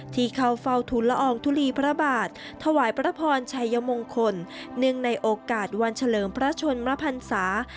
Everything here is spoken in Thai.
ที่เข้าเฝ้าทุนละอองทุลีพระบาทถวายพระพรชัยมงคลเนื่องในโอกาสวันเฉลิมพระชนมพันศา